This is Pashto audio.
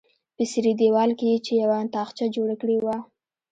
په څیرې دیوال کې یې چې یوه تاخچه جوړه کړې وه.